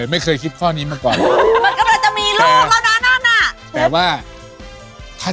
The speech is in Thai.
มันก็ตายท้องกลมนะเนี่ย